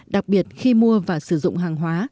đặc biệt khi mua và sử dụng hàng hóa